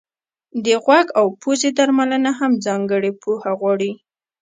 د غوږ او پزې درملنه هم ځانګړې پوهه غواړي.